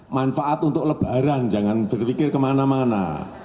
manfaat untuk lebaran jangan berpikir kemana mana